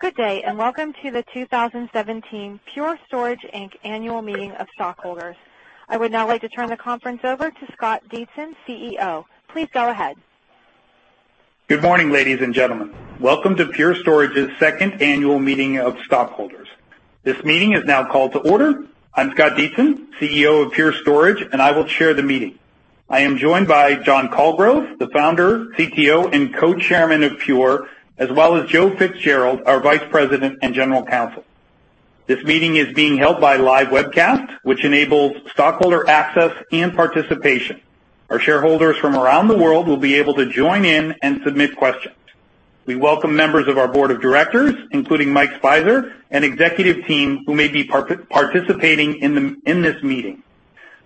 Good day, welcome to the 2017 Pure Storage Inc. Annual Meeting of Stockholders. I would now like to turn the conference over to Scott Dietzen, CEO. Please go ahead. Good morning, ladies and gentlemen. Welcome to Pure Storage's second annual meeting of stockholders. This meeting is now called to order. I'm Scott Dietzen, CEO of Pure Storage. I will chair the meeting. I am joined by John Colgrove, the founder, CTO, and co-chairman of Pure, as well as Joseph FitzGerald, our vice president and general counsel. This meeting is being held by live webcast, which enables stockholder access and participation. Our shareholders from around the world will be able to join in and submit questions. We welcome members of our board of directors, including Mike Speiser and executive team, who may be participating in this meeting.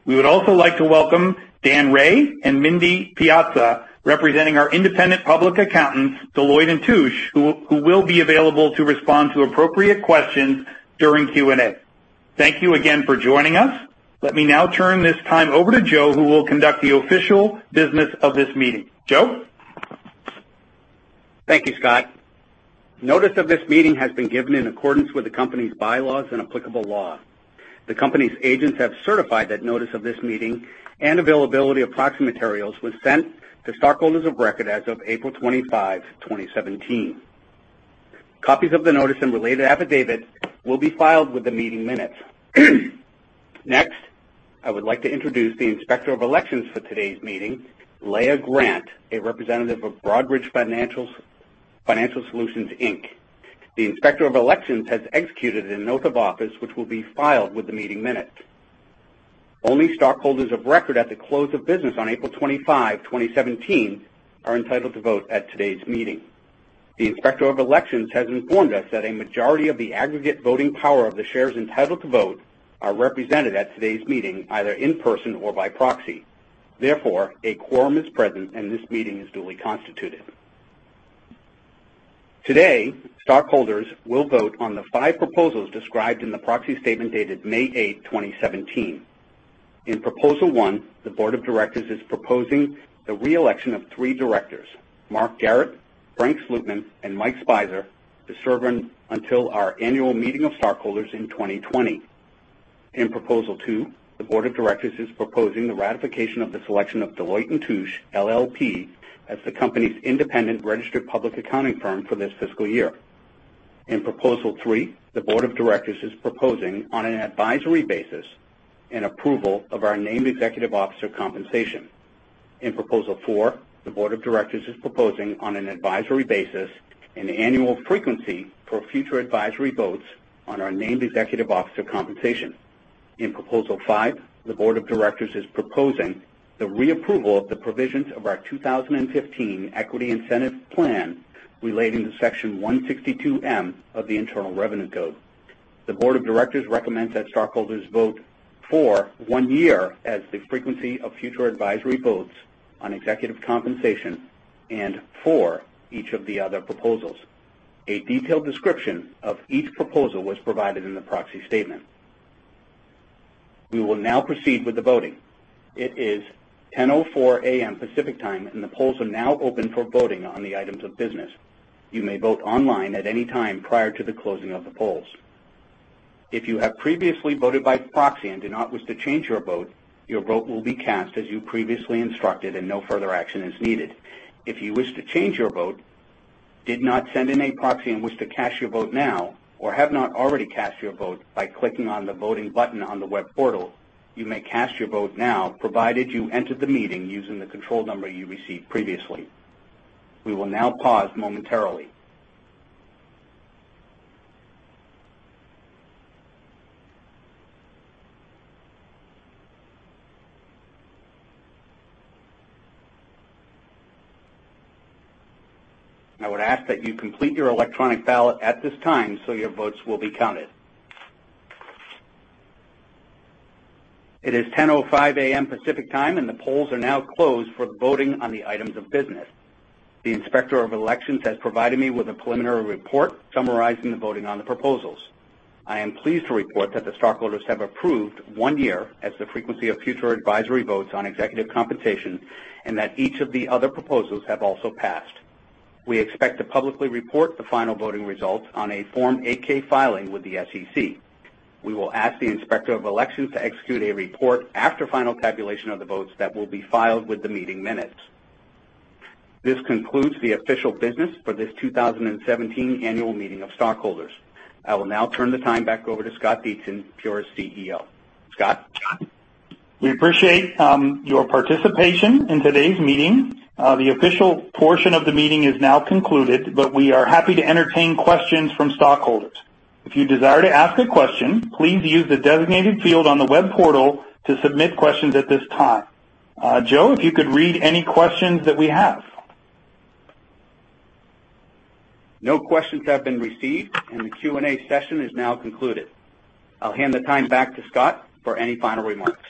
We would also like to welcome Dan Ray and Mindy Piazza, representing our independent public accountants, Deloitte & Touche, who will be available to respond to appropriate questions during Q&A. Thank you again for joining us. Let me now turn this time over to Joe, who will conduct the official business of this meeting. Joe? Thank you, Scott. Notice of this meeting has been given in accordance with the company's bylaws and applicable law. The company's agents have certified that notice of this meeting and availability of proxy materials was sent to stockholders of record as of April 25, 2017. Copies of the notice and related affidavits will be filed with the meeting minutes. Next, I would like to introduce the Inspector of Elections for today's meeting, Leia Grant, a representative of Broadridge Financial Solutions, Inc. The Inspector of Elections has executed a note of office, which will be filed with the meeting minutes. Only stockholders of record at the close of business on April 25, 2017, are entitled to vote at today's meeting. The Inspector of Elections has informed us that a majority of the aggregate voting power of the shares entitled to vote are represented at today's meeting, either in person or by proxy. Therefore, a quorum is present, and this meeting is duly constituted. Today, stockholders will vote on the five proposals described in the proxy statement dated May eight, 2017. In Proposal 1, the board of directors is proposing the re-election of three directors: Mark Garrett, Frank Slootman, and Mike Speiser, to serve until our annual meeting of stockholders in 2020. In Proposal 2, the board of directors is proposing the ratification of the selection of Deloitte & Touche LLP as the company's independent registered public accounting firm for this fiscal year. In Proposal 3, the board of directors is proposing, on an advisory basis, an approval of our named executive officer compensation. In Proposal 4, the board of directors is proposing, on an advisory basis, an annual frequency for future advisory votes on our named executive officer compensation. In Proposal 5, the board of directors is proposing the reapproval of the provisions of our 2015 Equity Incentive Plan relating to Section 162 of the Internal Revenue Code. The board of directors recommends that stockholders vote for one year as the frequency of future advisory votes on executive compensation and for each of the other proposals. A detailed description of each proposal was provided in the proxy statement. We will now proceed with the voting. It is 10:04 A.M. Pacific Time, and the polls are now open for voting on the items of business. You may vote online at any time prior to the closing of the polls. If you have previously voted by proxy and do not wish to change your vote, your vote will be cast as you previously instructed, and no further action is needed. If you wish to change your vote, did not send in a proxy and wish to cast your vote now, or have not already cast your vote by clicking on the voting button on the web portal, you may cast your vote now, provided you entered the meeting using the control number you received previously. We will now pause momentarily. I would ask that you complete your electronic ballot at this time so your votes will be counted. It is 10:05 A.M. Pacific Time, and the polls are now closed for the voting on the items of business. The Inspector of Elections has provided me with a preliminary report summarizing the voting on the proposals. I am pleased to report that the stockholders have approved one year as the frequency of future advisory votes on executive compensation and that each of the other proposals have also passed. We expect to publicly report the final voting results on a Form 8-K filing with the SEC. We will ask the Inspector of Elections to execute a report after final tabulation of the votes that will be filed with the meeting minutes. This concludes the official business for this 2017 annual meeting of stockholders. I will now turn the time back over to Scott Dietzen, Pure's CEO. Scott? We appreciate your participation in today's meeting. The official portion of the meeting is now concluded, but we are happy to entertain questions from stockholders. If you desire to ask a question, please use the designated field on the web portal to submit questions at this time. Joe, if you could read any questions that we have. No questions have been received, and the Q&A session is now concluded. I'll hand the time back to Scott for any final remarks.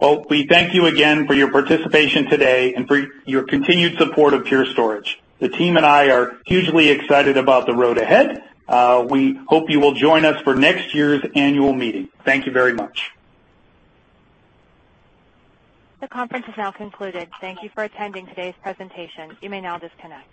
Well, we thank you again for your participation today and for your continued support of Pure Storage. The team and I are hugely excited about the road ahead. We hope you will join us for next year's annual meeting. Thank you very much. The conference is now concluded. Thank you for attending today's presentation. You may now disconnect.